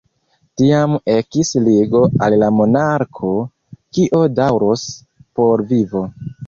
Tiam ekis ligo al la monarko, kio daŭros por vivo.